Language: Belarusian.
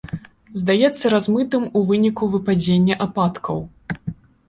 Здаецца размытым у выніку выпадзення ападкаў.